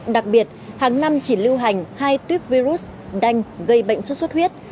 đặc biệt hàng năm chỉ lưu hành hai tuyếp virus đanh gây bệnh suốt suốt huyết